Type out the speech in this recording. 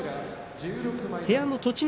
部屋の栃ノ